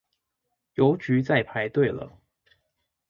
郵局在排隊了